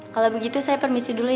kalau begitu saya permisi dulu